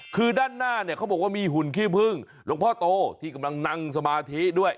คือด้านหน้าเนี่ยเขาบอกว่ามีหุ่นขี้พึ่งหลวงพ่อโตที่กำลังนั่งสมาธิด้วย